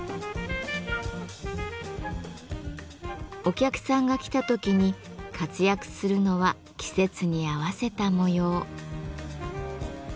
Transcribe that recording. お客さんが来た時に活躍するのは季節に合わせた模様。